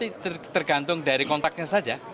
kalau kita tergantung dari kontaknya saja